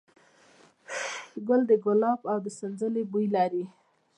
ګل د ګلاب او د سنځلې بوی لري.